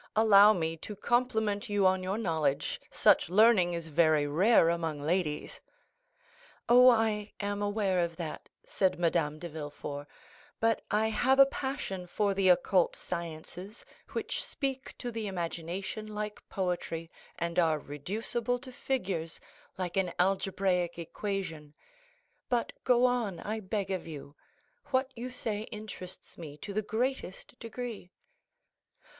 Allow me to compliment you on your knowledge; such learning is very rare among ladies." "Oh, I am aware of that," said Madame de Villefort; "but I have a passion for the occult sciences, which speak to the imagination like poetry, and are reducible to figures, like an algebraic equation; but go on, I beg of you; what you say interests me to the greatest degree."